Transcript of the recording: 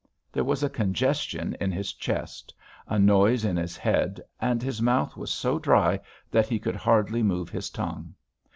There was a congestion in his chest; a noise in his head, and his mouth was so dry that he could hardly move his tongue.